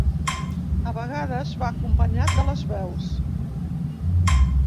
A vegades, va acompanyat de les veus.